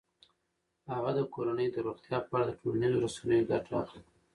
هغه د کورنۍ د روغتیا په اړه د ټولنیزو رسنیو ګټه اخلي.